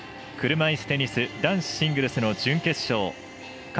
車いすテニス男子シングルスの準決勝。